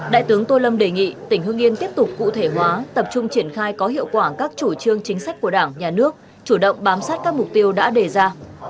đại tướng tô lâm đề nghị tỉnh hương yên tiếp tục cụ thể hóa tập trung triển khai có hiệu quả các chủ trương chính sách của đảng nhà nước chủ động bám sát các mục tiêu đã đề ra